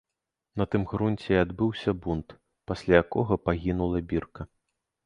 На тым грунце і адбыўся бунт, пасля якога пагінула бірка.